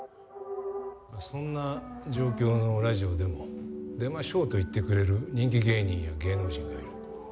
そんな状況のラジオでも「出ましょう」と言ってくれる人気芸人や芸能人がいる。